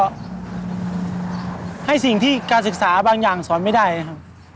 ก็ให้สิ่งที่การศึกษาบางอย่างสอนไม่ได้นะครับ